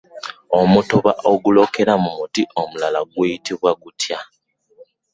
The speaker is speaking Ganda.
Omutuba ogulokera ku muti omulala guyitibwa gutya?